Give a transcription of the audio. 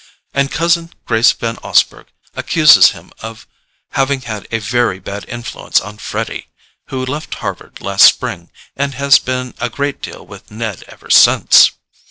And cousin Grace Van Osburgh accuses him of having had a very bad influence on Freddy, who left Harvard last spring, and has been a great deal with Ned ever since.